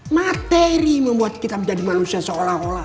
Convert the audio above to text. materi membuat kita menjadi manusia seolah olah